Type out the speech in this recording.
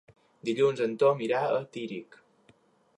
Dilluns en Tom irà a Tírig.